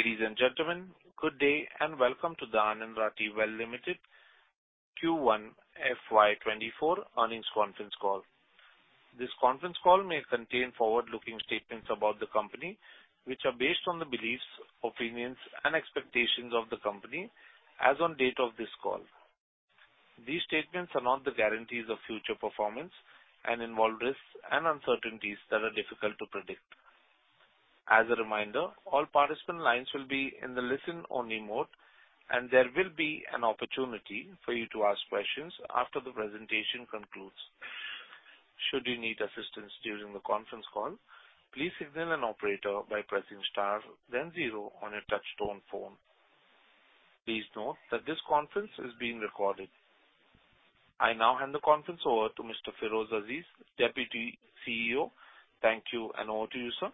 Ladies and gentlemen, good day, and welcome to the Anand Rathi Wealth Limited Q1 FY 2024 earnings conference call. This conference call may contain forward-looking statements about the company, which are based on the beliefs, opinions, and expectations of the company as on date of this call. These statements are not the guarantees of future performance and involve risks and uncertainties that are difficult to predict. As a reminder, all participant lines will be in the listen-only mode, and there will be an opportunity for you to ask questions after the presentation concludes. Should you need assistance during the conference call, please signal an operator by pressing star then zero on your touchtone phone. Please note that this conference is being recorded. I now hand the conference over to Mr. Feroze Azeez, Deputy CEO. Thank you, and over to you, sir.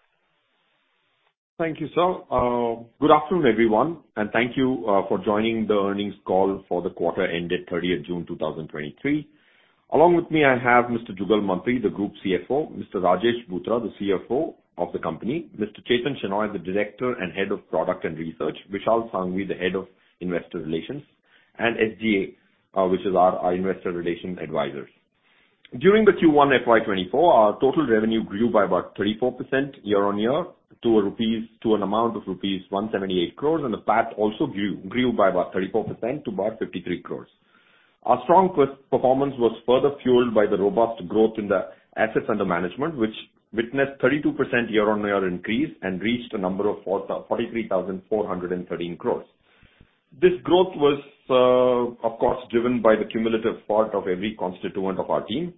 Thank you, sir. Good afternoon, everyone, and thank you for joining the earnings call for the quarter ended 30th June 2023. Along with me, I have Mr. Jugal Mantri, the Group CFO, Mr. Rajesh Bhutara, the CFO of the company, Mr. Chethan Shenoy, the Director and Head of Product and Research, Vishal Sanghavi, the Head of Investor Relations, and SGA, which is our investor relations advisors. During the Q1 FY 2024, our total revenue grew by about 34% year-on-year to an amount of rupees 178 crores. The PAT also grew by about 34% to about 53 crores. Our strong performance was further fueled by the robust growth in the assets under management, which witnessed 32% year-on-year increase and reached a number of 43,413 crores. This growth was, of course, driven by the cumulative part of every constituent of our team.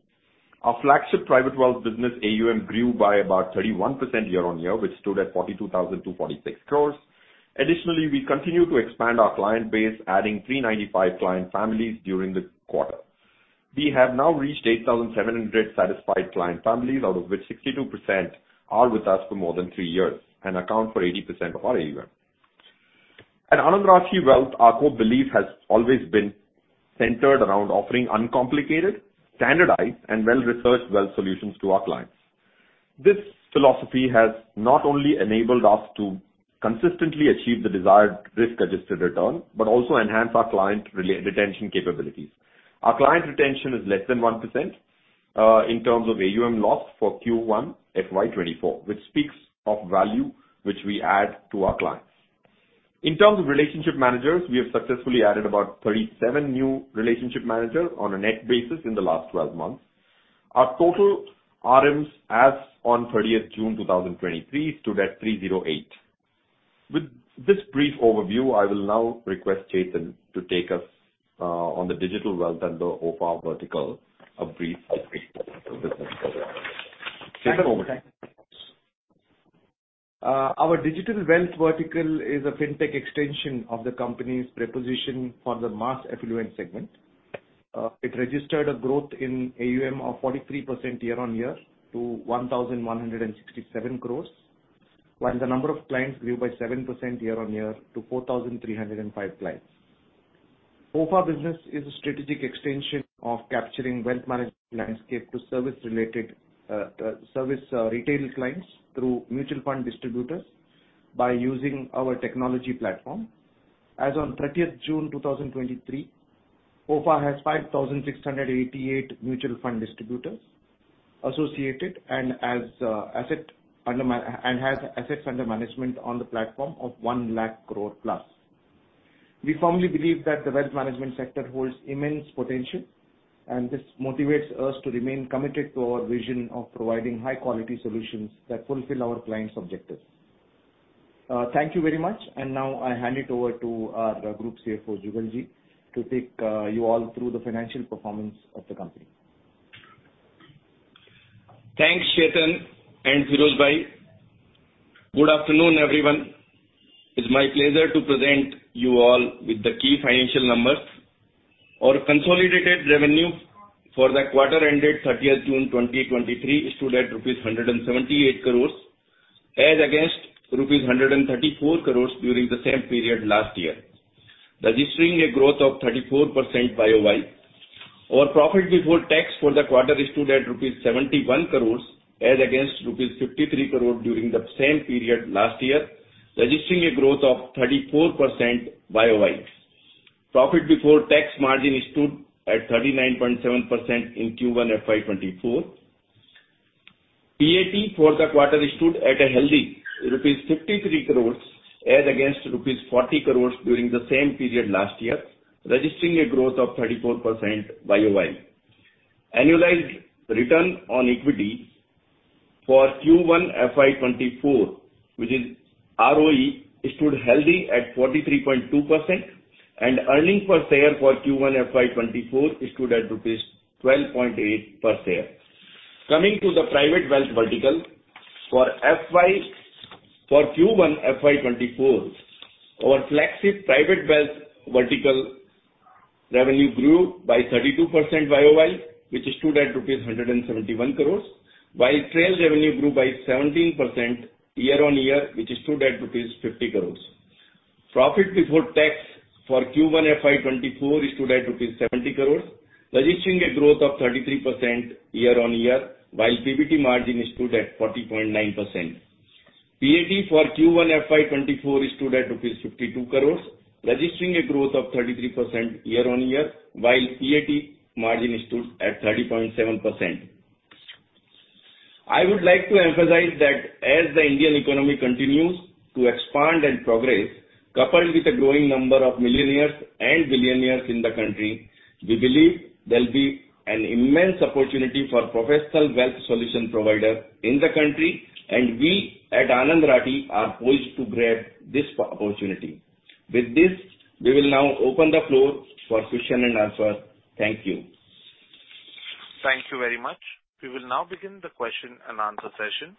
Our flagship private wealth business, AUM, grew by about 31% year-on-year, which stood at 42,246 crores. Additionally, we continue to expand our client base, adding 395 client families during the quarter. We have now reached 8,700 satisfied client families, out of which 62% are with us for more than three years and account for 80% of our AUM. At Anand Rathi Wealth, our core belief has always been centered around offering uncomplicated, standardized, and well-researched wealth solutions to our clients. This philosophy has not only enabled us to consistently achieve the desired risk-adjusted return, but also enhance our client re- retention capabilities. Our client retention is less than 1%, in terms of AUM loss for Q1 FY 2024, which speaks of value which we add to our clients. In terms of relationship managers, we have successfully added about 37 new relationship managers on a net basis in the last 12 months. Our total RMs, as on 30th June 2023, stood at 308. With this brief overview, I will now request Chetan to take us, on the digital wealth and the OFA vertical, a brief update Our digital wealth vertical is a fintech extension of the company's reposition for the mass affluent segment. It registered a growth in AUM of 43% year-on-year to 1,167 crores, while the number of clients grew by 7% year-on-year to 4,305 clients. OFA business is a strategic extension of capturing wealth management landscape to service retail clients through mutual fund distributors by using our technology platform. As on 30th June 2023, OFA has 5,688 mutual fund distributors associated, and has assets under management on the platform of 1 lakh crore plus. We firmly believe that the wealth management sector holds immense potential. This motivates us to remain committed to our vision of providing high-quality solutions that fulfill our clients' objectives. Thank you very much. Now I hand it over to our Group CFO, Jugalji, to take you all through the financial performance of the company. Thanks, Chetan and Ferozebhai. Good afternoon, everyone. It's my pleasure to present you all with the key financial numbers. Our consolidated revenue for the quarter ended 30th June 2023, stood at rupees 178 crores, as against rupees 134 crores during the same period last year, registering a growth of 34% YOY. Our profit before tax for the quarter stood at 71 crores rupees, as against 53 crore rupees during the same period last year, registering a growth of 34% YOY. Profit before tax margin stood at 39.7% in Q1 FY 2024. PAT for the quarter stood at a healthy rupees 53 crores, as against rupees 40 crores during the same period last year, registering a growth of 34% YOY. Annualized return on equity for Q1 FY 2024, which is ROE, stood healthy at 43.2%. Earnings per share for Q1 FY 2024 stood at INR 12.8 per share. Coming to the private wealth vertical. For Q1 FY 2024, our flagship private wealth vertical revenue grew by 32% YOY, which stood at rupees 171 crores, while trail revenue grew by 17% year-on-year, which stood at rupees 50 crores. Profit before tax for Q1 FY 2024 stood at rupees 70 crores, registering a growth of 33% year-on-year, while PBT margin stood at 40.9%. PAT for Q1 FY 2024 stood at rupees 52 crores, registering a growth of 33% year-on-year, while PAT margin stood at 30.7%. I would like to emphasize that as the Indian economy continues to expand and progress, coupled with a growing number of millionaires and billionaires in the country, we believe there'll be an immense opportunity for professional wealth solution provider in the country, and we at Anand Rathi are poised to grab this opportunity. With this, we will now open the floor for question and answer. Thank you. Thank you very much. We will now begin the question and answer session.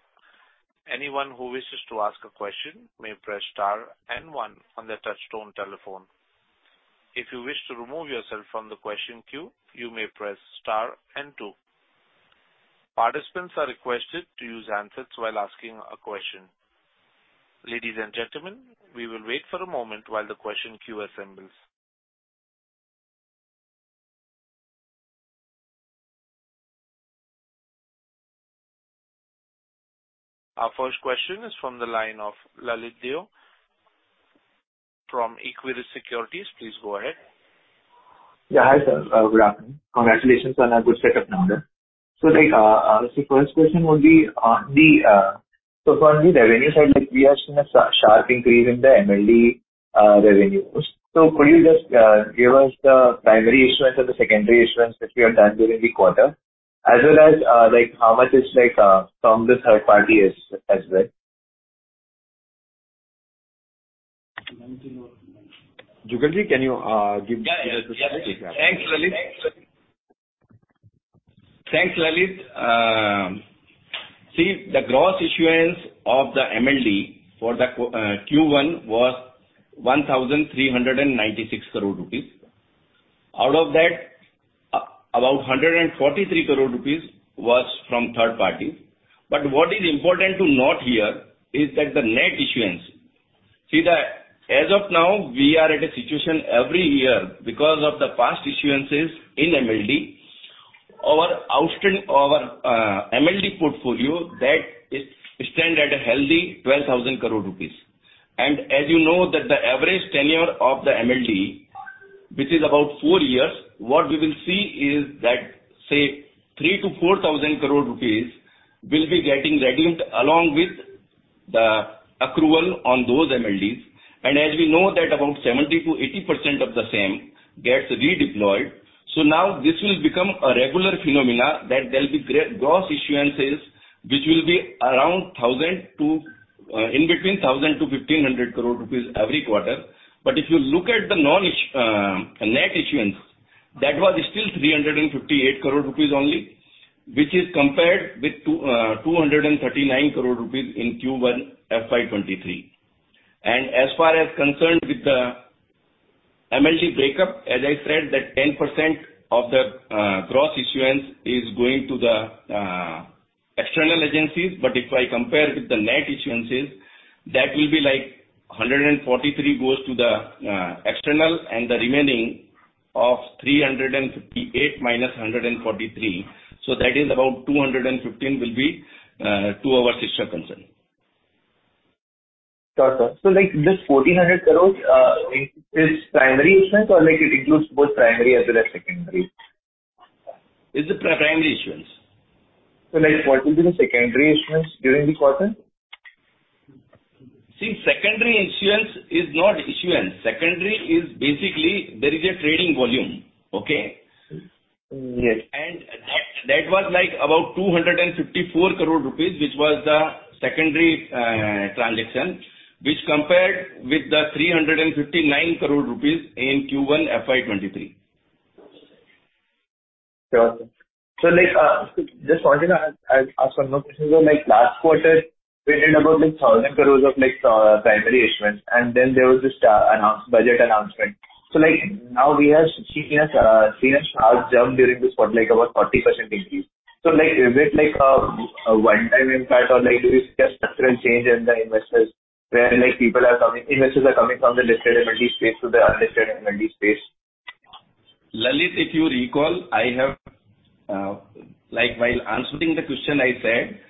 Anyone who wishes to ask a question may press star and one on their touchtone telephone. If you wish to remove yourself from the question queue, you may press star and two. Participants are requested to use answers while asking a question. Ladies and gentlemen, we will wait for a moment while the question queue assembles. Our first question is from the line of Lalit Deo from Equirus Securities. Please go ahead. Yeah. Hi, sir. Good afternoon. Congratulations on a good set of numbers. On the revenue side, we have seen a sharp increase in the MLD revenues. Could you just give us the primary issuance or the secondary issuance which we have done during the quarter, as well as, how much is from this third party as well? Jugalji, can you give? Yeah, yeah. Thanks, Lalit. Thanks, Lalit. See, the gross issuance of the MLD for the Q1 was 1,396 crore rupees. Out of that, about 143 crore rupees was from third party. What is important to note here is that the net issuance. See that as of now, we are at a situation every year because of the past issuances in MLD, our outstanding, our MLD portfolio, that is stand at a healthy 12,000 crore rupees. As you know that the average tenure of the MLD, which is about 4 years, what we will see is that, say, 3,000-4,000 crore rupees will be getting redeemed along with the accrual on those MLDs. As we know that about 70%-80% of the same gets redeployed. Now this will become a regular phenomenon, that there will be gross issuances, which will be around 1,000 to, in between 1,000-1,500 crore rupees every quarter. If you look at the net issuance, that was still 358 crore rupees only, which is compared with 239 crore rupees in Q1 FY 2023. As far as concerned with the MLD breakup, as I said, that 10% of the gross issuance is going to the external agencies. If I compare with the net issuances, that will be like 143 crore rupees goes to the external, and the remaining of 358-143, so that is about 215 crore rupees will be to our system concern. Got it. Like this 1,400 crores is primary issuance or like it includes both primary as well as secondary? It's the primary issuance. Like what will be the secondary issuance during the quarter? See, secondary issuance is not issuance. Secondary is basically there is a trading volume. Okay? Yes. That was like about 254 crore rupees, which was the secondary transaction, which compared with 359 crore rupees in Q1 FY 2023. Sure, sir. Just one thing I'll ask one more question. Last quarter, we did about, like, 1,000 crore of, like, primary issuance, and then there was this budget announcement. Now we have seen a sharp jump during this quarter, like about 40% increase. Is it like a one-time impact or like, is it a structural change in the investors, where, like, people are coming, investors are coming from the listed MLD space to the unlisted MLD space? Lalit, if you recall, I have, like, while answering the question, I said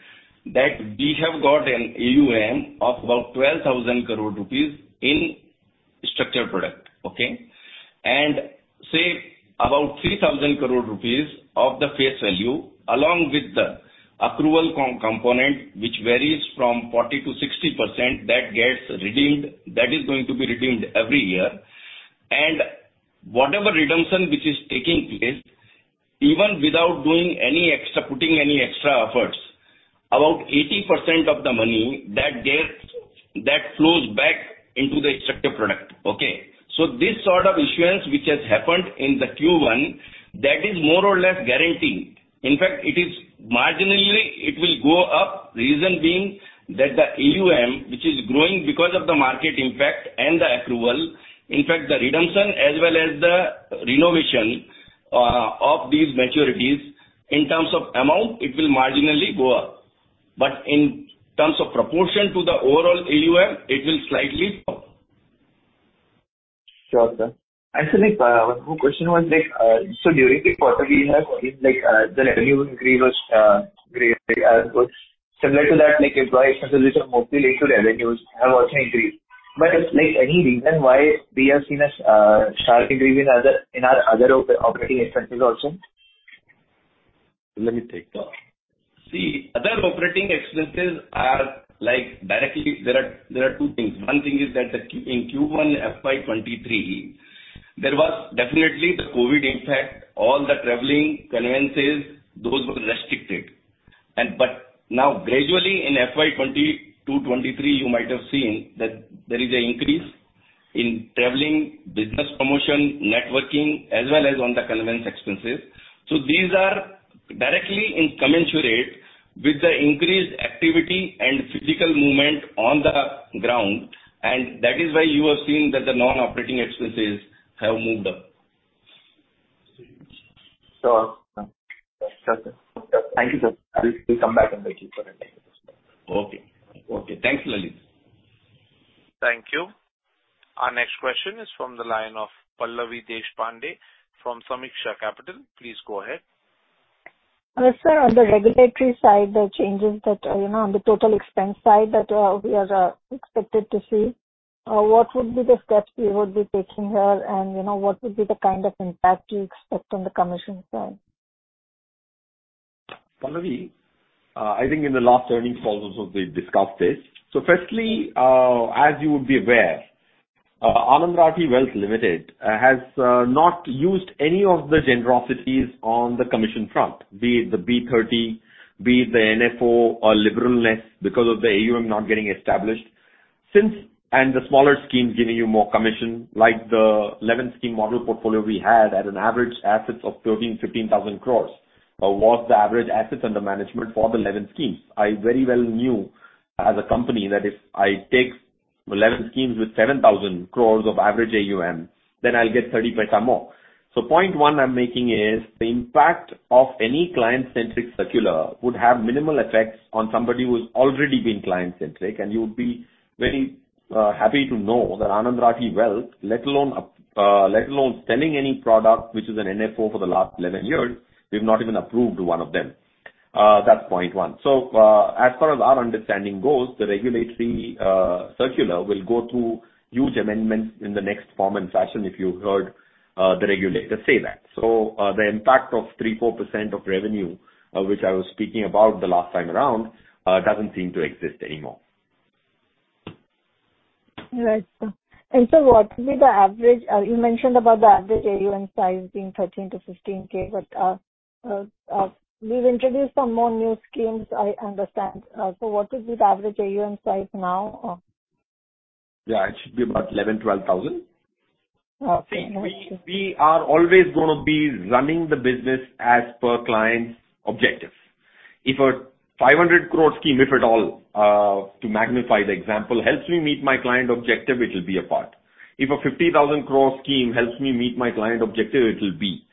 that we have got an AUM of about 12,000 crore rupees in structured product. Okay. Say about 3,000 crore rupees of the face value, along with the approval component, which varies from 40%-60%, that gets redeemed, that is going to be redeemed every year. Whatever redemption which is taking place, even without doing any extra, putting any extra efforts, about 80% of the money that flows back into the structured product. Okay. This sort of issuance, which has happened in the Q1, that is more or less guaranteed. In fact, it is marginally it will go up, reason being that the AUM, which is growing because of the market impact and the approval, in fact, the redemption as well as the renovation of these maturities, in terms of amount, it will marginally go up. In terms of proportion to the overall AUM, it will slightly up. Sure, sir. Actually, one more question was like, during the quarter, we have like, the revenue increase, great. Similar to that, like, employee expenses, which are mostly linked to revenues, have also increased. Is like any reason why we have seen a sharp increase in our other operating expenses also? Let me take that. See, other operating expenses are like there are two things. One thing is that the in Q1 FY 2023, there was definitely the COVID impact. All the traveling, conveyances, those were restricted. But now gradually in FY 2022, FY 2023, you might have seen that there is a increase in traveling, business promotion, networking, as well as on the conveyance expenses. These are directly in commensurate with the increased activity and physical movement on the ground, that is why you are seeing that the non-operating expenses have moved up. Sure, sir. Thank you, sir. I will come back and let you for the next question. Okay. Okay. Thanks, Lalit. Thank you. Our next question is from the line of Pallavi Deshpande from Sameeksha Capital. Please go ahead. Sir, on the regulatory side, the changes that, you know, on the total expense side that, we are expected to see, what would be the steps we would be taking here? You know, what would be the kind of impact you expect on the commission side? Pallavi, I think in the last earnings call also we discussed this. Firstly, as you would be aware, Anand Rathi Wealth Limited has not used any of the generosities on the commission front, be it the B30, be it the NFO or liberalness, because of the AUM not getting established. The smaller schemes giving you more commission, like the 11 scheme model portfolio we had at an average assets of 13,000-15,000 crores, was the average assets under management for the 11 schemes. I very well knew as a company that if I take 11 schemes with 7,000 crores of average AUM, then I'll get 30% more. Point 1 I'm making is, the impact of any client-centric circular would have minimal effects on somebody who's already been client-centric, and you'd be very happy to know that Anand Rathi Wealth, let alone, let alone selling any product, which is an NFO for the last 11 years, we've not even approved one of them. That's point 1. As far as our understanding goes, the regulatory circular will go through huge amendments in the next form and fashion, if you heard the regulator say that. The impact of 3, 4% of revenue, which I was speaking about the last time around, doesn't seem to exist anymore. Right, sir. What would be the average... you mentioned about the average AUM size being 13-15 K, we've introduced some more new schemes, I understand. What would be the average AUM size now? Yeah, it should be about 11 thousand, 12 thousand. Okay. We are always going to be running the business as per client's objectives. If a 500 crore scheme, if at all, to magnify the example, helps me meet my client objective, it will be a part. If a 50,000 crore scheme helps me meet my client objective, it will be,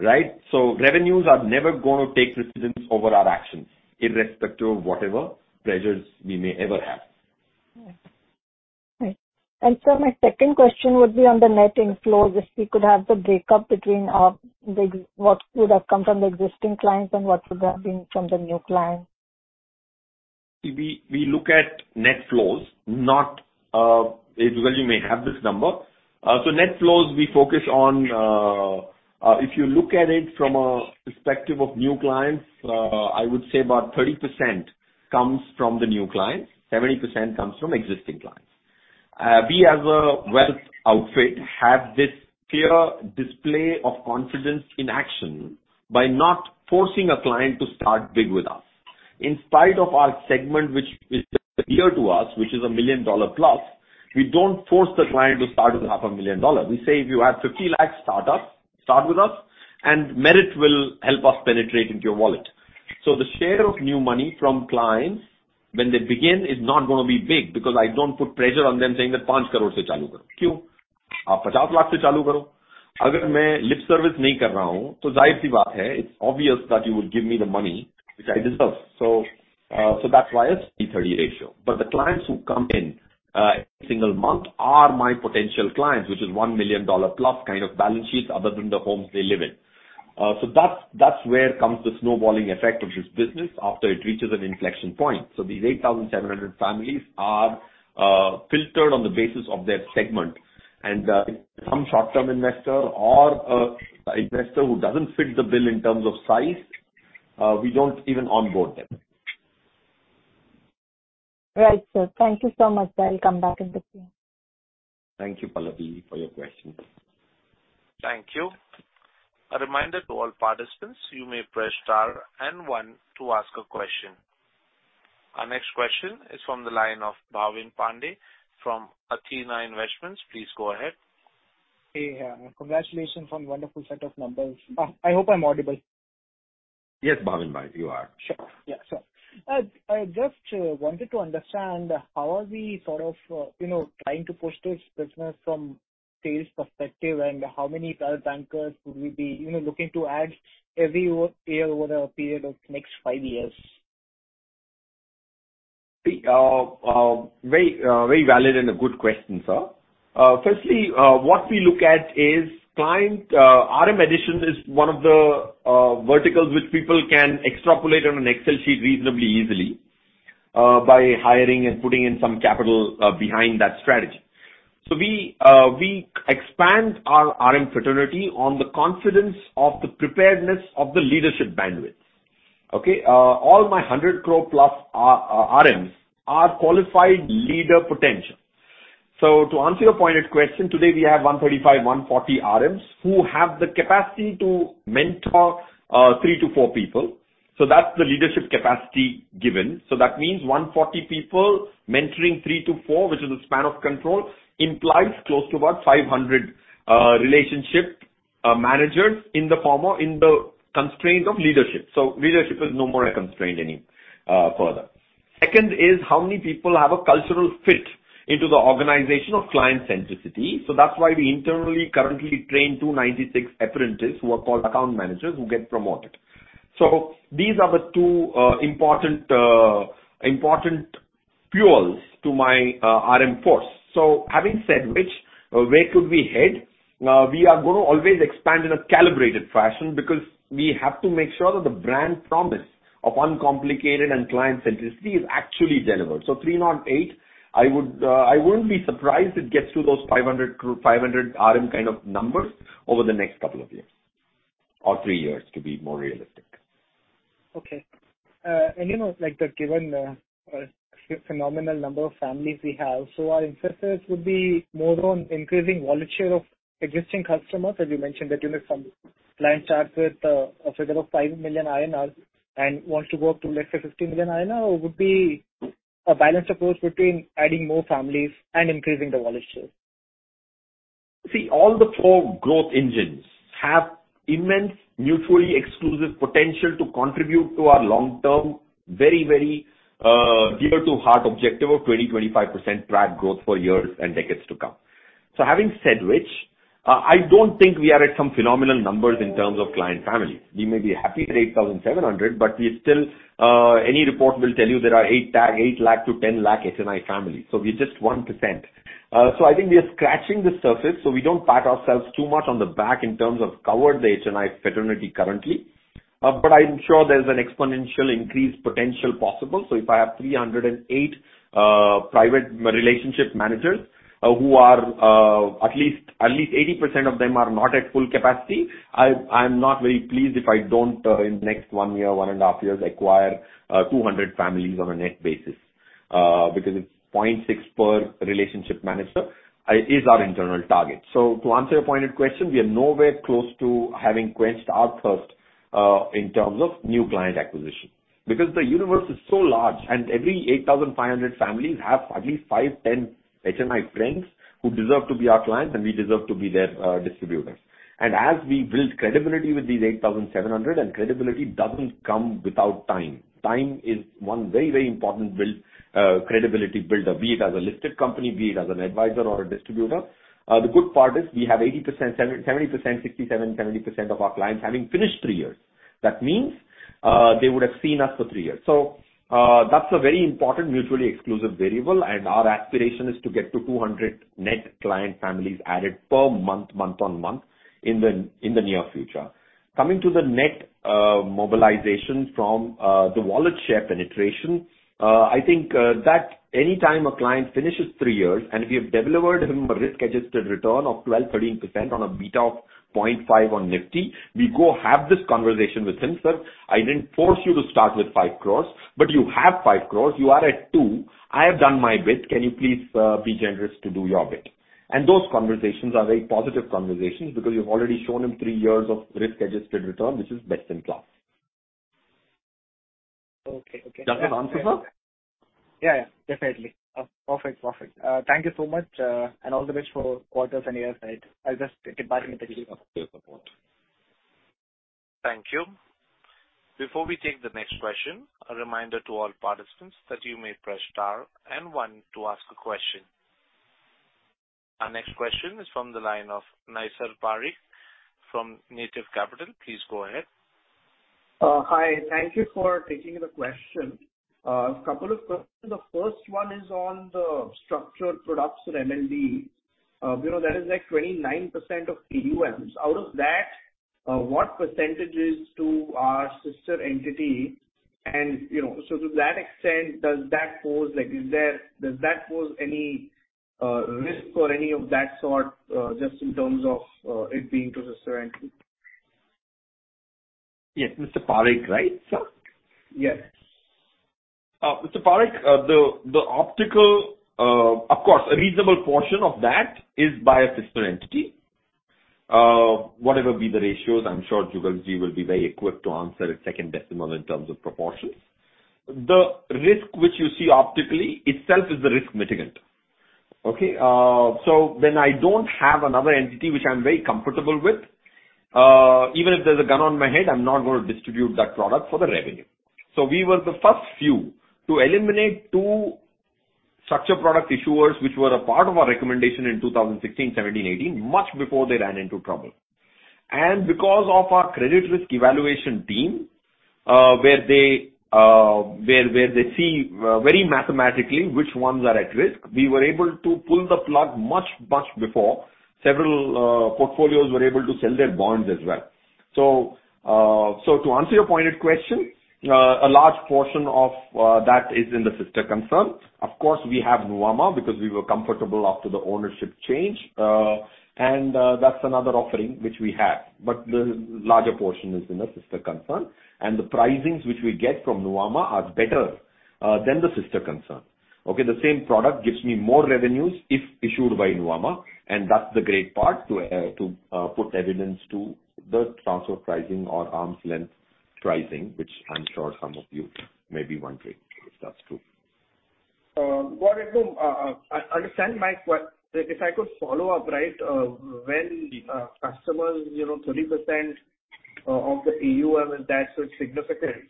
right? Revenues are never going to take precedence over our actions, irrespective of whatever pleasures we may ever have. Right. Sir, my second question would be on the net inflows, if we could have the breakup between the what would have come from the existing clients and what would have been from the new clients? We look at net flows, not, well, you may have this number. Net flows, we focus on, if you look at it from a perspective of new clients, I would say about 30% comes from the new clients, 70% comes from existing clients. We as a wealth outfit have this clear display of confidence in action by not forcing a client to start big with us. In spite of our segment, which is dear to us, which is a million-dollar plus, we don't force the client to start with half a million dollars. We say: If you have 50 lakhs, start up, start with us, merit will help us penetrate into your wallet. The share of new money from clients when they begin is not going to be big, because I don't put pressure on them saying that it's obvious that you will give me the money, which I deserve. so that's why it's T-30 ratio. The clients who come in every single month are my potential clients, which is INR 1 million plus kind of balance sheets other than the homes they live in. So that's where comes the snowballing effect of this business after it reaches an inflection point. These 8,700 families are filtered on the basis of their segment. Some short-term investor or an investor who doesn't fit the bill in terms of size, we don't even onboard them. Right, sir. Thank you so much. I'll come back and discuss. Thank you, Pallavi, for your question. Thank you. A reminder to all participants, you may press star and one to ask a question. Our next question is from the line of Bhavin Pandey from Athena Investments. Please go ahead. Hey, congratulations on wonderful set of numbers. I hope I'm audible. Yes, Bhavin bhai, you are. Sure. Yeah, sure. I just wanted to understand how are we sort of, you know, trying to push this business.... sales perspective, and how many private bankers would we be, you know, looking to add every year over a period of next five years? Very, very valid and a good question, sir. Firstly, what we look at is client RM additions is one of the verticals which people can extrapolate on an Excel sheet reasonably easily by hiring and putting in some capital behind that strategy. We expand our RM fraternity on the confidence of the preparedness of the leadership bandwidth. Okay? All my 100 crore plus RMs are qualified leader potential. To answer your pointed question, today, we have 135-140 RMs, who have the capacity to mentor 3 to 4 people, so that's the leadership capacity given. That means 140 people mentoring 3-4, which is a span of control, implies close to about 500 relationship managers in the former, in the constraints of leadership. Leadership is no more a constraint any further. Second is, how many people have a cultural fit into the organization of client centricity? That's why we internally currently train 296 apprentices, who are called account managers, who get promoted. These are the two important fuels to my RM force. Having said which, where could we head? We are gonna always expand in a calibrated fashion because we have to make sure that the brand promise of uncomplicated and client centricity is actually delivered. 308, I wouldn't be surprised it gets to those 500 RM kind of numbers over the next two years or three years, to be more realistic. Okay. you know, like, the given, phenomenal number of families we have, so our emphasis would be more on increasing wallet share of existing customers, as you mentioned, that, you know, some client starts with, say, around 5 million INR and wants to go up to, 15 million INR, would be a balanced approach between adding more families and increasing the wallet share. All the 4 growth engines have immense mutually exclusive potential to contribute to our long-term, very, very, dear to heart objective of 20-25% track growth for years and decades to come. Having said which, I don't think we are at some phenomenal numbers in terms of client family. We may be happy at 8,700, but we still, any report will tell you there are 8 lakh to 10 lakh HNI families, so we're just 1%. I think we are scratching the surface, so we don't pat ourselves too much on the back in terms of covered the HNI fraternity currently, but I'm sure there's an exponential increase potential possible. If I have 308 private relationship managers who are at least 80% of them are not at full capacity, I'm not very pleased if I don't in the next 1 year, 1.5 years, acquire 200 families on a net basis, because it's 0.6 per relationship manager. is our internal target. To answer your pointed question, we are nowhere close to having quenched our thirst in terms of new client acquisition. The universe is so large, and every 8,500 families have at least 5, 10 HNI friends who deserve to be our clients, and we deserve to be their distributors. As we build credibility with these 8,700, and credibility doesn't come without time. Time is one very, very important build, credibility builder, be it as a listed company, be it as an advisor or a distributor. The good part is we have 80%, 70%, 67%, 70% of our clients having finished three years. That means, they would have seen us for three years. That's a very important mutually exclusive variable, and our aspiration is to get to 200 net client families added per month on month, in the near future. Coming to the net, mobilization from the wallet share penetration, I think, that any time a client finishes three years, and we have delivered him a risk-adjusted return of 12%, 13% on a beta of 0.5 on Nifty, we go have this conversation with him. Sir, I didn't force you to start with 5 crores, but you have 5 crores. You are at 2. I have done my bit. Can you please be generous to do your bit?" Those conversations are very positive conversations because you've already shown him three years of risk-adjusted return, which is best in class. Okay. Okay. Does that answer, sir? Yeah, definitely. Perfect. Thank you so much. All the best for quarters and year ahead. I'll just get back into the queue. Thank you. Thank you. Before we take the next question, a reminder to all participants that you may press star and one to ask a question. Our next question is from the line of Nisar Parik from Native Capital. Please go ahead. Hi, thank you for taking the question. A couple of questions. The first one is on the structured products for MLD. You know, that is like 29% of AUMs. Out of that, what percentage is to our sister entity? You know, so to that extent, does that pose like, does that pose any risk or any of that sort, just in terms of it being to sister entity? Yes, Mr. Parikh, right, sir? Yes. Mr. Parik, the optical. A reasonable portion of that is by a sister entity. Whatever be the ratios, I'm sure Jugal Ji will be very equipped to answer a second decimal in terms of proportions. The risk which you see optically itself is the risk mitigant. Okay? When I don't have another entity which I'm very comfortable with, even if there's a gun on my head, I'm not going to distribute that product for the revenue. We were the first few to eliminate two structured product issuers, which were a part of our recommendation in 2016, 2017, 2018, much before they ran into trouble. Because of our credit risk evaluation team, where they see very mathematically which ones are at risk, we were able to pull the plug much, much before several portfolios were able to sell their bonds as well. To answer your pointed question, a large portion of that is in the sister concern. Of course, we have Nuvama because we were comfortable after the ownership change, and that's another offering which we have, but the larger portion is in the sister concern. The pricings which we get from Nuvama are better than the sister concern. Okay? The same product gives me more revenues if issued by Nuvama, and that's the great part to put evidence to the transfer pricing or arm's length pricing, which I'm sure some of you may be wondering if that's true. Got it. I understand. If I could follow up, right? When customers, you know, 30% of the AUM, is that so significant?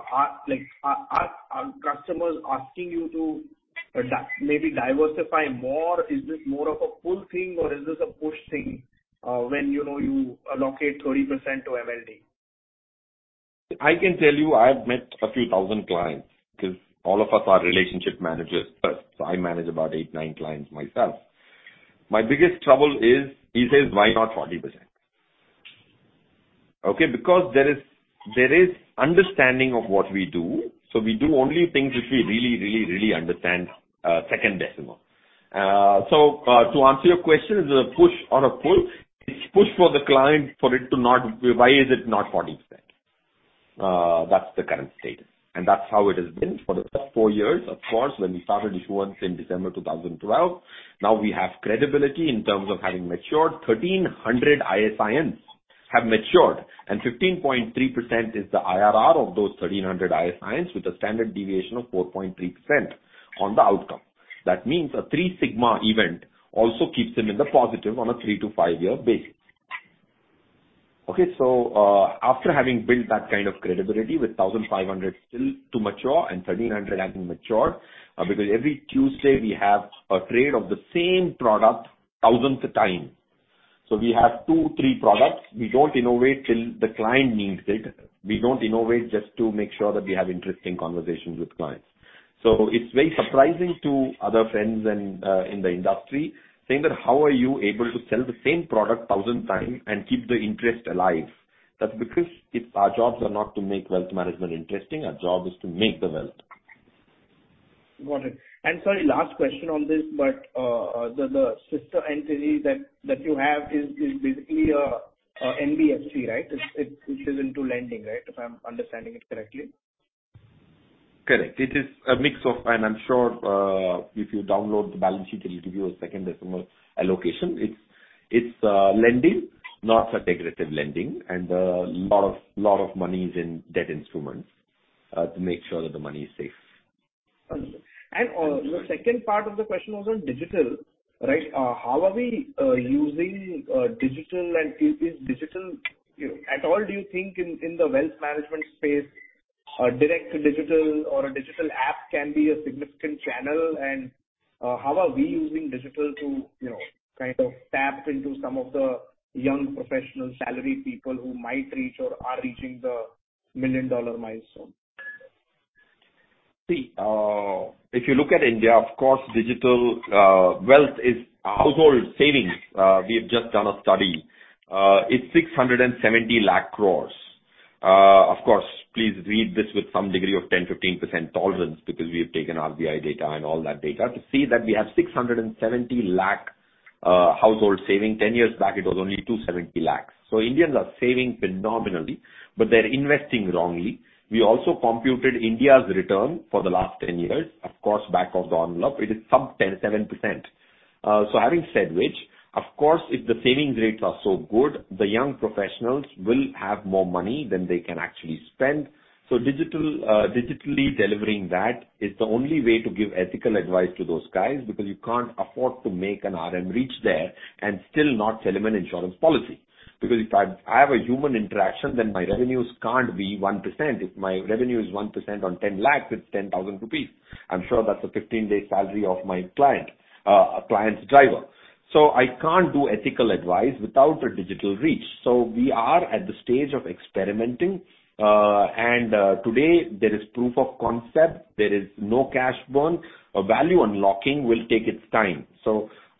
Are, like, are customers asking you to maybe diversify more? Is this more of a pull thing, or is this a push thing, when you know you allocate 30% to MLD? I can tell you I've met a few thousand clients because all of us are relationship managers first. I manage about eight, nine clients myself. My biggest trouble is, he says, "Why not 40%?" Because there is, there is understanding of what we do, so we do only things which we really, really, really understand, second decimal. To answer your question, is it a push or a pull? It's push for the client for it to not... Why is it not 40%? That's the current state, and that's how it has been for the past 4 years. When we started issuance in December 2012, now we have credibility in terms of having matured. 1,300 ISIN have matured, and 15.3% is the IRR of those 1,300 ISINs, with a standard deviation of 4.3% on the outcome. That means a three sigma event also keeps them in the positive on a 3-to-5-year basis. Okay, after having built that kind of credibility with 1,500 still to mature and 1,300 having matured, because every Tuesday we have a trade of the same product thousands of time. We have two, three products. We don't innovate till the client needs it. We don't innovate just to make sure that we have interesting conversations with clients. It's very surprising to other friends and in the industry, saying that: How are you able to sell the same product 1,000 times and keep the interest alive? That's because our jobs are not to make wealth management interesting. Our job is to make the wealth. Got it. Sorry, last question on this, but the sister entity that you have is basically a NBFC, right? It which is into lending, right, if I'm understanding it correctly? Correct. It is a mix of... I'm sure, if you download the balance sheet, it'll give you a second decimal allocation. It's lending, not integrated lending, lot of money is in debt instruments to make sure that the money is safe. The second part of the question was on digital, right? How are we using digital and is digital, you know, at all, do you think in the wealth management space, a direct digital or a digital app can be a significant channel? How are we using digital to, you know, kind of tap into some of the young professional salaried people who might reach or are reaching the million-dollar milestone? See, if you look at India, of course, digital wealth is household savings. We have just done a study. It's 67,000,000 crore. Of course, please read this with some degree of 10%, 15% tolerance, because we have taken RBI data and all that data to see that we have 670 lakh household saving. 10 years back, it was only 270 lakh. Indians are saving phenomenally, but they're investing wrongly. We also computed India's return for the last 10 years. Of course, back of the envelope, it is some 10%, 7%. Having said which, of course, if the savings rates are so good, the young professionals will have more money than they can actually spend. Digital, digitally delivering that is the only way to give ethical advice to those guys, because you can't afford to make an RM reach there and still not sell them an insurance policy. Because if I have a human interaction, then my revenues can't be 1%. If my revenue is 1% on 10 lakhs, it's 10,000 rupees. I'm sure that's a 15-day salary of my client, a client's driver. I can't do ethical advice without a digital reach. We are at the stage of experimenting, and today there is proof of concept. There is no cash burn. A value unlocking will take its time.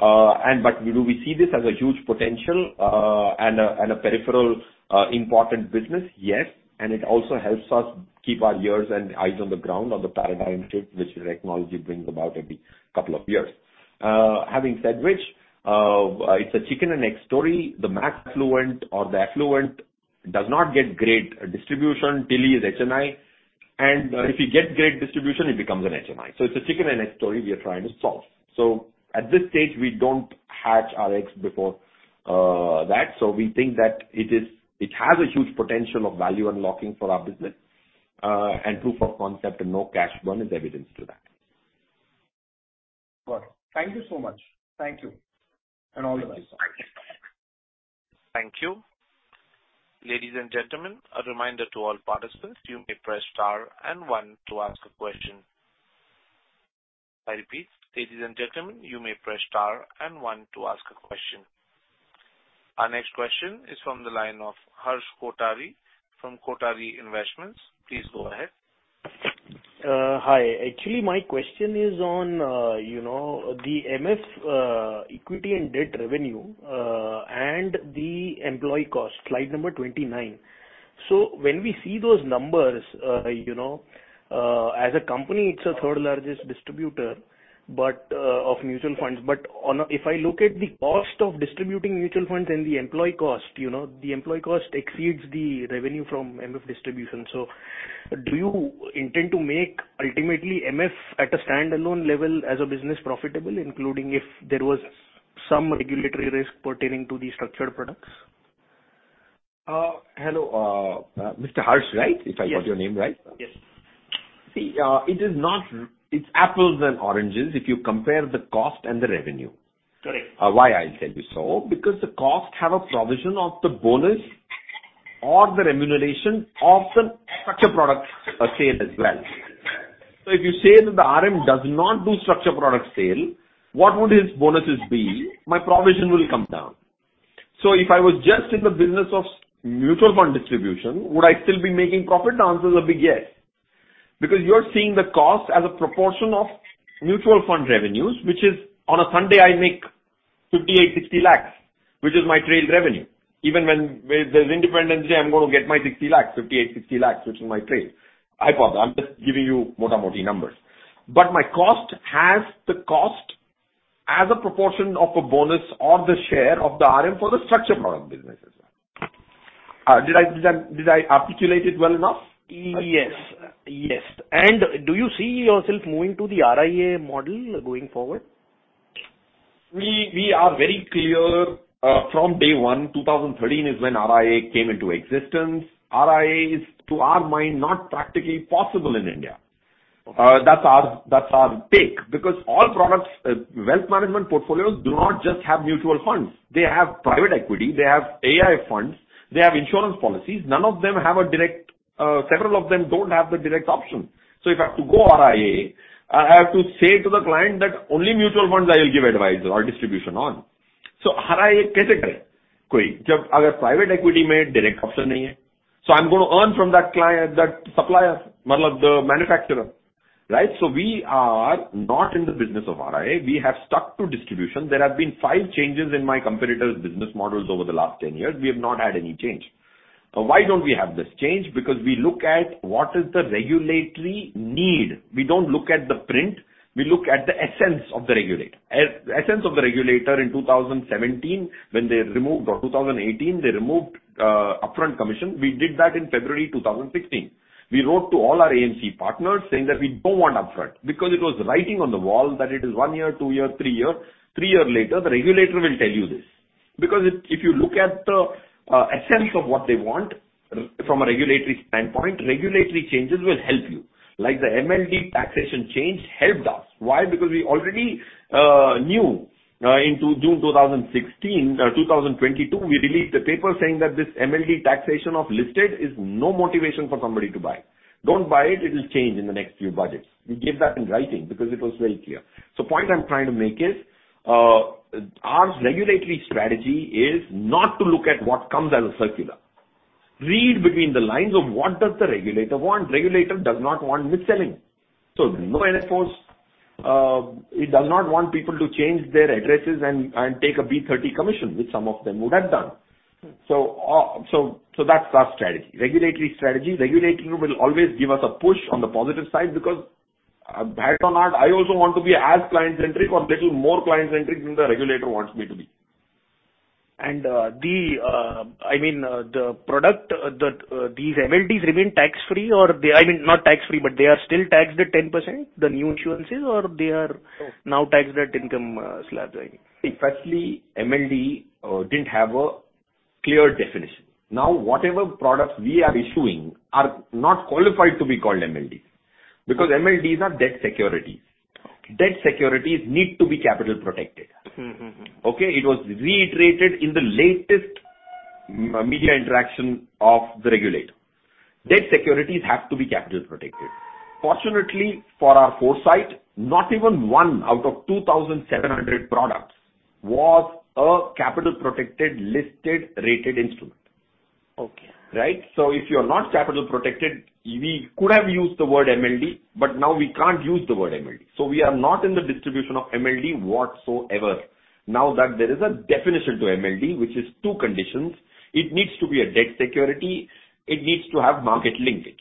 We see this as a huge potential, and a peripheral, important business. It also helps us keep our ears and eyes on the ground or the paradigm shift, which the technology brings about every couple of years. Having said which, it's a chicken and egg story. The max fluent or the affluent does not get great distribution till he's HNI, and if you get great distribution, it becomes an HNI. It's a chicken and egg story we are trying to solve. At this stage, we don't hatch our eggs before that. We think that it has a huge potential of value unlocking for our business, and proof of concept and no cash burn is evidence to that. Got it. Thank you so much. Thank you, and all the best. Thank you. Ladies and gentlemen, a reminder to all participants, you may press star 1 to ask a question. I repeat, ladies and gentlemen, you may press star 1 to ask a question. Our next question is from the line of Harsh Kotari from Kotari Investments. Please go ahead. Hi. Actually, my question is on, you know, the MF equity and debt revenue and the employee cost, slide number 29. When we see those numbers, you know, as a company, it's a third-largest distributor of mutual funds. But if I look at the cost of distributing mutual funds and the employee cost, you know, the employee cost exceeds the revenue from MF distribution. Do you intend to make ultimately MF at a standalone level as a business profitable, including if there was some regulatory risk pertaining to these structured products? Hello, Mr. Harsh, right? Yes. If I got your name right? Yes. See, It's apples and oranges if you compare the cost and the revenue. Correct. Why? I'll tell you, because the costs have a provision of the bonus or the remuneration of the structured products sale as well. If you say that the RM does not do structured product sale, what would his bonuses be? My provision will come down. If I was just in the business of mutual fund distribution, would I still be making profit? The answer is a big yes. You are seeing the cost as a proportion of mutual fund revenues, which is on a Sunday, I make 58, 60 lakhs, which is my trail revenue. Even when there's Independence Day, I'm going to get my 60 lakhs, 58, 60 lakhs, which is my trail. I probably, I'm just giving you more about the numbers. My cost has the cost as a proportion of a bonus or the share of the RM for the structured product business as well. Did I articulate it well enough? Yes. Yes. Do you see yourself moving to the RIA model going forward? We are very clear, from day one, 2013 is when RIA came into existence. RIA is, to our mind, not practically possible in India. That's our take, because all products, wealth management portfolios do not just have mutual funds. They have private equity, they have AI funds, they have insurance policies. None of them have a direct, several of them don't have the direct option. If I have to go RIA, I have to say to the client that only mutual funds I will give advice or distribution on. RIA, I'm going to earn from that client, that supplier, the manufacturer, right? We are not in the business of RIA. We have stuck to distribution. There have been 5 changes in my competitor's business models over the last 10 years. We have not had any change. Why don't we have this change? We look at what is the regulatory need. We don't look at the print, we look at the essence of the regulator. Essence of the regulator in 2017, when they removed, or 2018, they removed, upfront commission. We did that in February 2016. We wrote to all our AMC partners saying that we don't want upfront because it was writing on the wall that it is 1 year, 2 years, 3 years. 3 years later, the regulator will tell you this. If you look at the, essence of what they want from a regulatory standpoint, regulatory changes will help you. Like the MLD taxation change helped us. Why? We already knew, into June 2016, 2022, we released a paper saying that this MLD taxation of listed is no motivation for somebody to buy. Don't buy it will change in the next few budgets. We gave that in writing because it was very clear. Point I'm trying to make is, our regulatory strategy is not to look at what comes as a circular. Read between the lines of what does the regulator want. Regulator does not want mis-selling, so no NFOs. It does not want people to change their addresses and take a B30 commission, which some of them would have done. That's our strategy, regulatory strategy. Regulatory will always give us a push on the positive side, because back or not, I also want to be as client-centric or little more client-centric than the regulator wants me to be. The, I mean, the product that these MLDs remain tax-free or they, I mean, not tax-free, but they are still taxed at 10%, the new insurances, or they are now taxed at income, slab rating? Firstly, MLD, didn't have a clear definition. Now, whatever products we are issuing are not qualified to be called MLD, because MLDs are debt security. Okay. Debt securities need to be capital protected. Mm-hmm, mm-hmm. Okay? It was reiterated in the latest media interaction of the regulator. Debt securities have to be capital protected. Fortunately, for our foresight, not even one out of 2,700 products was a capital protected, listed, rated instrument. Okay. Right? If you are not capital protected, we could have used the word MLD, but now we can't use the word MLD. We are not in the distribution of MLD whatsoever. Now that there is a definition to MLD, which is two conditions, it needs to be a debt security, it needs to have market linkage.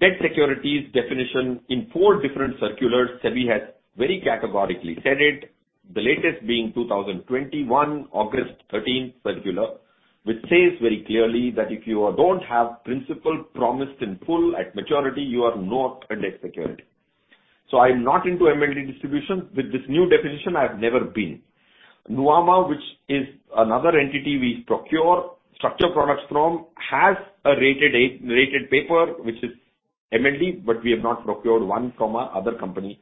Debt securities definition in four different circulars, SEBI has very categorically said it, the latest being 2021, August 13th circular, which says very clearly that if you don't have principal promised in full at maturity, you are not a debt security. I'm not into MLD distribution. With this new definition, I have never been. Nuvama, which is another entity we procure structure products from, has a- rated paper, which is MLD, but we have not procured one from our other company,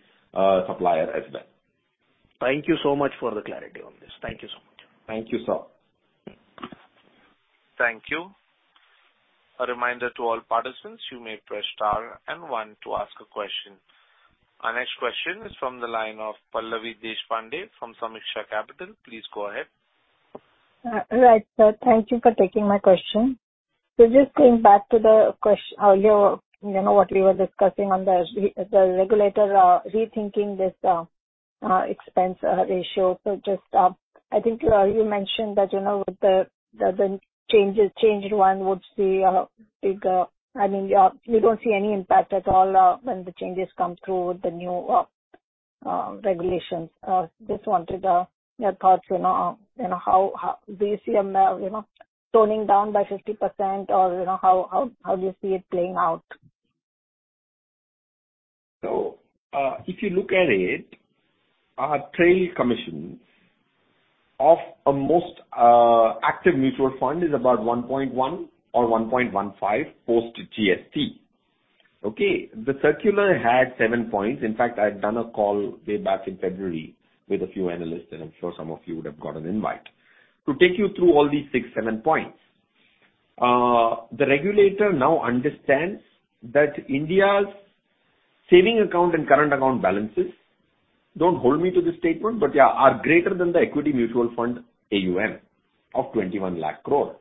supplier as well. Thank you so much for the clarity on this. Thank you so much. Thank you, sir. Thank you. A reminder to all participants, you may press star and one to ask a question. Our next question is from the line of Pallavi Deshpande from Sameeksha Capital. Please go ahead. Right, sir. Thank you for taking my question. Just going back to your, you know, what we were discussing on the regulator rethinking this expense ratio. Just, I think, you mentioned that, you know, with the changes, changed one would see a big... I mean, you don't see any impact at all when the changes come through with the new regulations. Just wanted your thoughts, you know, on, you know, how do you see them, you know, toning down by 50% or, you know, how, how do you see it playing out? If you look at it, our trail commission of a most active mutual fund is about 1.1 or 1.15, post GST. Okay? The circular had 7 points. In fact, I've done a call way back in February with a few analysts, and I'm sure some of you would have got an invite. To take you through all these 6, 7 points, the regulator now understands that India's savings account and current account balances, don't hold me to this statement, but, yeah, are greater than the equity mutual fund AUM of 21 lakh crore.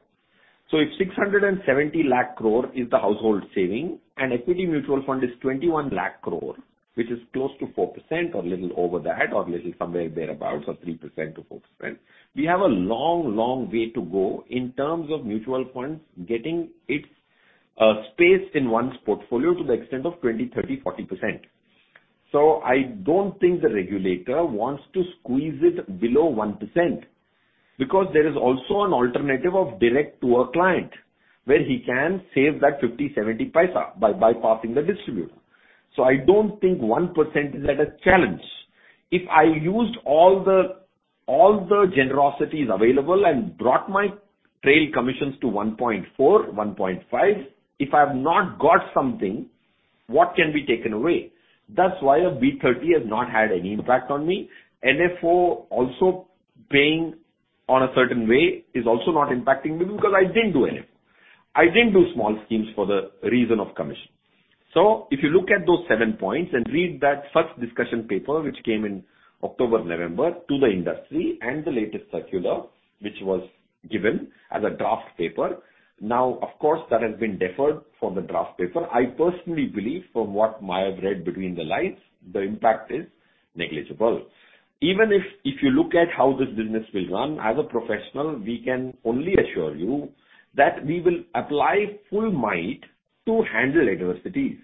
If 670 lakh crore is the household saving and equity mutual fund is 21 lakh crore, which is close to 4% or little over that or little somewhere thereabout, or 3%-4%, we have a long, long way to go in terms of mutual funds getting its space in one's portfolio to the extent of 20%, 30%, 40%. I don't think the regulator wants to squeeze it below 1%, because there is also an alternative of direct to a client, where he can save that 0.50, 0.70 by bypassing the distributor. I don't think 1% is at a challenge. If I used all the generosities available and brought my trail commissions to 1.4%, 1.5%, if I've not got something, what can be taken away? That's why a B30 has not had any impact on me. NFO also paying on a certain way is also not impacting me, because I didn't do NFO. I didn't do small schemes for the reason of commission. If you look at those seven points and read that first discussion paper, which came in October, November, to the industry and the latest circular, which was given as a draft paper. Of course, that has been deferred from the draft paper. I personally believe, from what I have read between the lines, the impact is negligible. If, if you look at how this business will run, as a professional, we can only assure you that we will apply full might to handle adversities.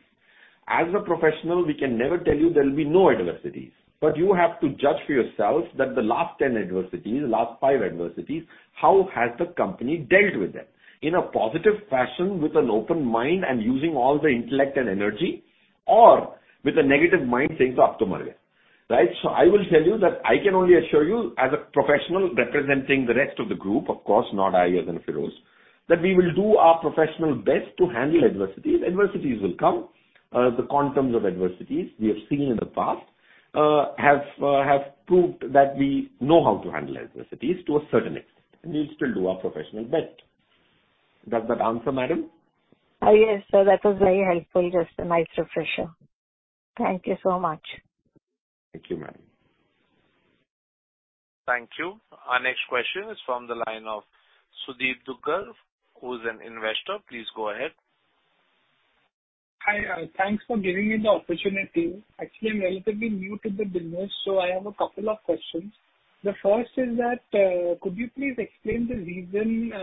As a professional, we can never tell you there will be no adversities, you have to judge for yourself that the last 10 adversities, the last 5 adversities, how has the company dealt with them? In a positive fashion, with an open mind, and using all the intellect and energy, or with a negative mind saying, "Aap toh mar gaye." Right? I will tell you that I can only assure you, as a professional representing the rest of the group, of course, not I, as in Feroze, that we will do our professional best to handle adversities. Adversities will come. The quantums of adversities we have seen in the past have proved that we know how to handle adversities to a certain extent, and we'll still do our professional best. Does that answer, madam? Yes, sir. That was very helpful. Just nice, refreshing. Thank you so much. Thank you, madam. Thank you. Our next question is from the line of Sudeep Duggal, who is an investor. Please go ahead. Hi, thanks for giving me the opportunity. Actually, I'm relatively new to the business, so I have a couple of questions. The first is that, could you please explain the reason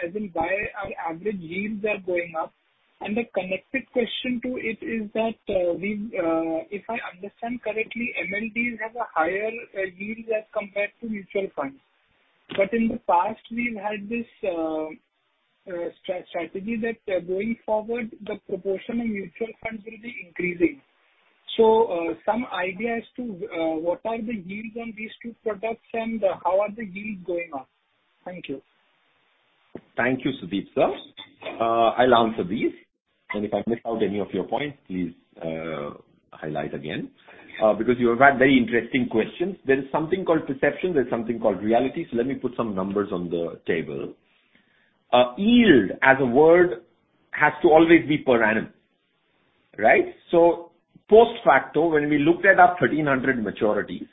as in why our average yields are going up? A connected question to it is that, If I understand correctly, MLDs have a higher yield as compared to mutual funds. In the past, we've had this strategy that, going forward, the proportion of mutual funds will be increasing. Some idea as to what are the yields on these two products and how are the yields going up? Thank you. Thank you, Sudeep, sir. I'll answer these, and if I miss out any of your points, please highlight again because you have asked very interesting questions. There is something called perception, there's something called reality, let me put some numbers on the table. Yield as a word has to always be per annum, right? Post-facto, when we looked at our 1,300 maturities,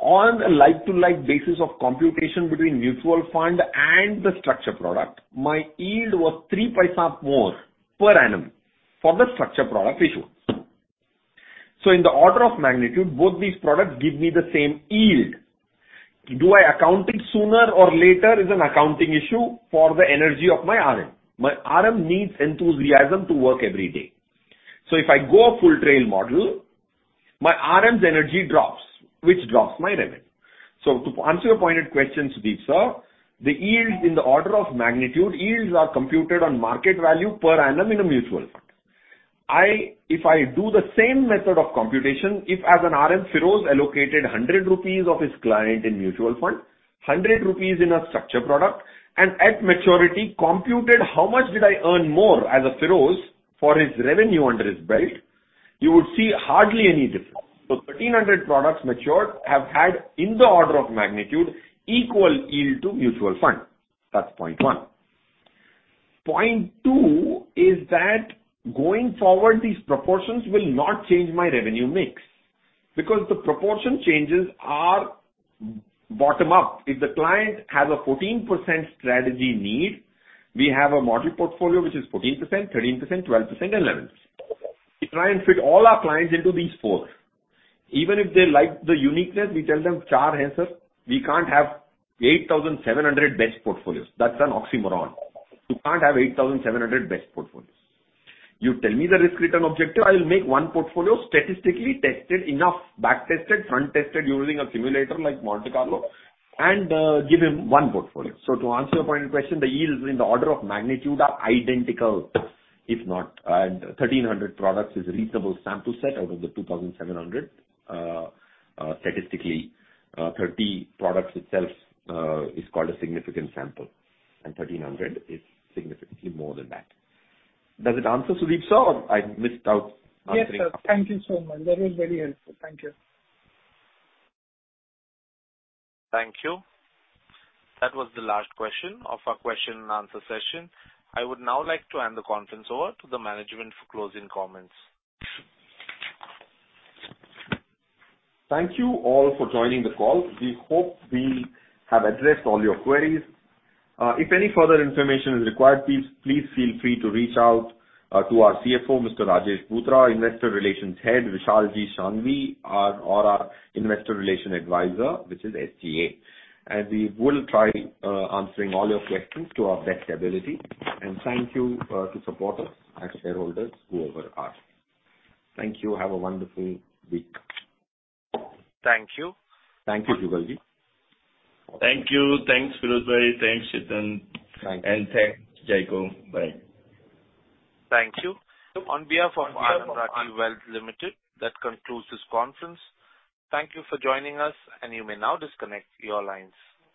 on a like-to-like basis of computation between mutual fund and the structured product, my yield was 3 paisa more per annum for the structured product issued. In the order of magnitude, both these products give me the same yield. Do I account it sooner or later is an accounting issue for the energy of my RM. My RM needs enthusiasm to work every day. If I go a full trail model, my RM's energy drops, which drops my revenue. To answer your pointed question, Sudeep, sir, the yields in the order of magnitude, yields are computed on market value per annum. If I do the same method of computation, if as an RM, Feroze allocated 100 rupees of his client in mutual fund, 100 rupees in a structured product, and at maturity computed how much did I earn more as a Feroze for his revenue under his belt, you would see hardly any difference. 1,300 products matured have had in the order of magnitude equal yield to mutual fund. That's point one. Point two is that going forward, these proportions will not change my revenue mix because the proportion changes are bottom up. If the client has a 14% strategy need, we have a module portfolio which is 14%, 13%, 12%, and 11%. We try and fit all our clients into these four. Even if they like the uniqueness, we tell them, char hai, sir. We can't have 8,700 best portfolios. That's an oxymoron. You can't have 8,700 best portfolios. You tell me the risk-return objective, I will make one portfolio statistically tested, enough back tested, front tested, using a simulator like Monte Carlo, and give him one portfolio. To answer your point of question, the yields in the order of magnitude are identical, if not, and 1,300 products is a reasonable sample set out of the 2,700. Statistically, 30 products itself is called a significant sample, and 1,300 is significantly more than that. Does it answer, Sudeep sir, or I missed out answering? Yes, sir. Thank you so much. That was very helpful. Thank you. Thank you. That was the last question of our question and answer session. I would now like to hand the conference over to the management for closing comments. Thank you all for joining the call. We hope we have addressed all your queries. If any further information is required, please feel free to reach out to our CFO, Mr. Rajesh Bhutara, Investor Relations Head, Vishal Sanghavi, or our investor relation advisor, which is SGA. We will try answering all your questions to our best ability. Thank you to supporters and shareholders, whoever are. Thank you. Have a wonderful week. Thank you. Thank you, Jugal Ji. Thank you. Thanks, Firozbhai. Thanks, Chetan. Thank you. Thanks, Zico. Bye. Thank you. On behalf of RBL Wealth Limited, that concludes this conference. Thank you for joining us. You may now disconnect your lines.